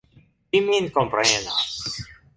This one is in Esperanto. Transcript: Vi min komprenas.